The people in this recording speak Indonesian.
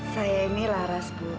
saya ini laras bu